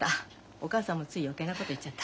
お母さんもつい余計なこと言っちゃった。